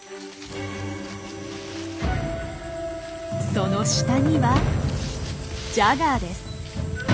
その下にはジャガーです。